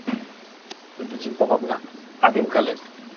কিন্তু চিন্তাভাবনা আদীমকালের।